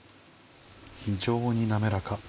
非常に滑らか。